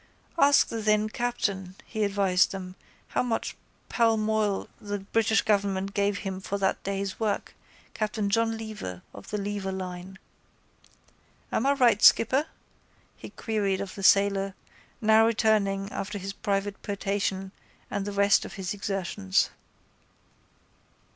Ask the then captain, he advised them, how much palmoil the British government gave him for that day's work, Captain John Lever of the Lever Line. —Am I right, skipper? he queried of the sailor, now returning after his private potation and the rest of his exertions.